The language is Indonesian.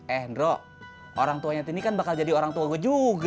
eh hendro orang tuanya tini kan bakal jadi orang tua gue juga